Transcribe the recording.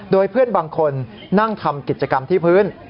โดยเพื่อนบางคนนั่งทำกิจกรรมที่พื้น